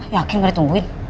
yakin ga ditungguin